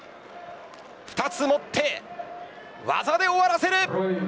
２つ持って、技で終わらせる。